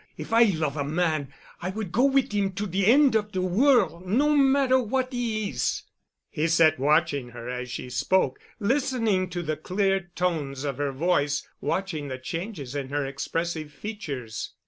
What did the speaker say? If I love a man I would go wit' 'im to de end of de worl', no matter what 'e is." He sat watching her as she spoke—listening to the clear tones of her voice, watching the changes in her expressive features.